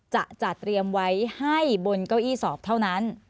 จะจัดเตรียมไว้ให้บนเก้าอี้สอบเท่านั้น